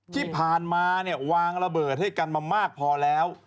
ที่ผ่านมาเนี่ยวางระเบิดให้กันมามากพอแล้ว